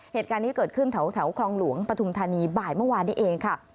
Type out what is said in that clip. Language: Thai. เหตุการณ์นี้เกิดขึ้นแถวคลองหลวงปฐุมธานีบ่ายเมื่อวานนี้เองค่ะ